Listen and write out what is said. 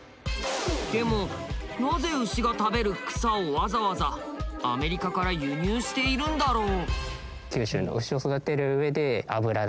でもなぜ牛が食べる草をわざわざアメリカから輸入しているんだろう？